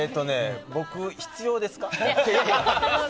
僕、必要ですか？